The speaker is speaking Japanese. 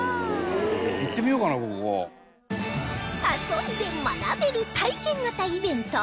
遊んで学べる体験型イベント